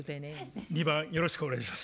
２番よろしくお願いします。